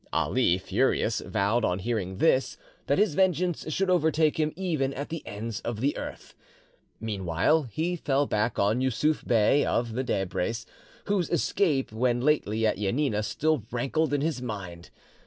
Ali, furious, vowed, on hearing this, that his vengeance should overtake him even at the ends of the earth. Meanwhile he fell back on Yussuf Bey of the Debres, whose escape when lately at Janina still rankled in his mind.